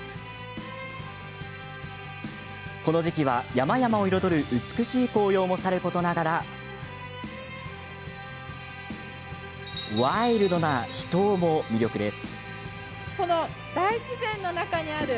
この時期は、山々を彩る美しい紅葉もさることながらワイルドな秘湯も魅力です。